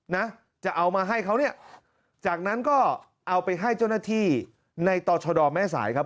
นะจะเอามาให้เขาเนี่ยจากนั้นก็เอาไปให้เจ้าหน้าที่ในต่อชะดอแม่สายครับ